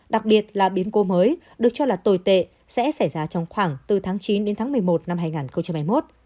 đặc biệt là biến cố mới được cho là tồi tệ sẽ xảy ra trong khoảng từ tháng chín đến tháng một mươi một năm hai nghìn hai mươi một